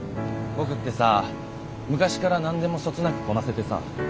僕ってさ昔から何でもそつなくこなせてさ。